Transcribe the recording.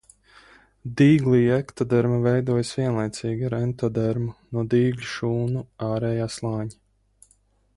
Dīglī ektoderma veidojas vienlaicīgi ar entodermu no dīgļa šūnu ārējā slāņa.